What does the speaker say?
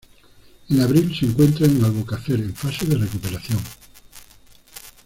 En abril se encuentra en Albocácer, en fase de recuperación.